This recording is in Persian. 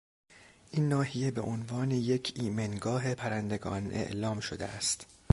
این ناحیه بهعنوان یک ایمنگاه پرندگان اعلام شده است.